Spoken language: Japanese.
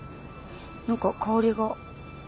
何か香りが。